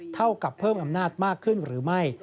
เท่ากับเพิ่มอำนาจมากขึ้นหรือไม่